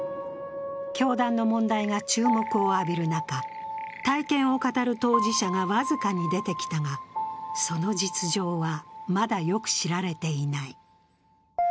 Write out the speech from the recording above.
教団の問題が注目を浴びる中、体験を語る当事者が僅かに出てきたが、その実情はまだよく知られていない。